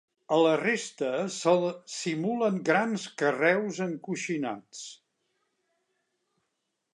A la resta se simulen grans carreus encoixinats.